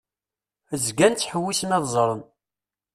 Zgan ttḥewwisen ad ẓren.